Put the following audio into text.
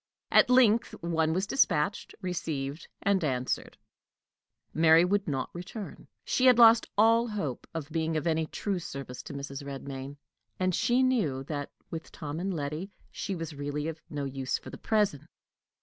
At length one was dispatched, received, and answered: Mary would not return. She had lost all hope of being of any true service to Mrs. Redmain, and she knew that, with Tom and Letty, she was really of use for the present.